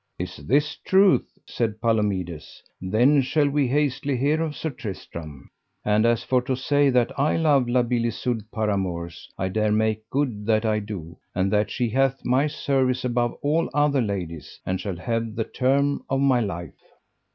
Is this truth? said Palomides; then shall we hastily hear of Sir Tristram. And as for to say that I love La Beale Isoud paramours, I dare make good that I do, and that she hath my service above all other ladies, and shall have the term of my life.